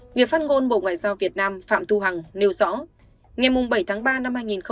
người phát ngôn bộ ngoại giao việt nam phạm thu hằng nêu rõ